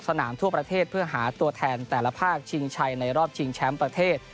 สนามทั่วประเทศเพื่อหาตัวแทนแต่ละภาคชิงชัยในรอบชิงแชมป์ประเทศ